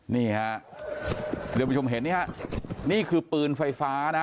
นี่ค่ะเดี๋ยวประชุมเห็นนี้ค่ะนี่คือปืนไฟฟ้านะค่ะ